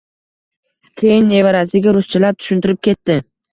Keyin nevarasiga ruschalab tushuntirib ketdi